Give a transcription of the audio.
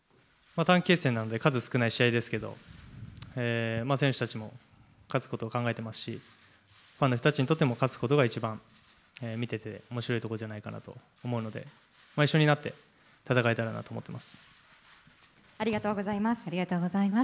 短期決戦なんで、数少ない試合ですけど、選手たちも勝つことを考えてますし、ファンの人たちにとっても、勝つことが一番見てておもしろいところじゃないかなと思うので、一緒になって戦えたらなと思っています。